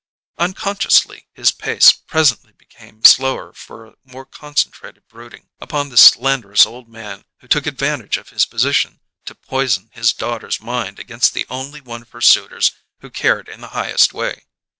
Unconsciously his pace presently became slower for a more concentrated brooding upon this slanderous old man who took advantage of his position to poison his daughter's mind against the only one of her suitors who cared in the highest way.